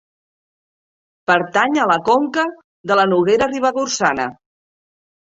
Pertany a la conca de la Noguera Ribagorçana.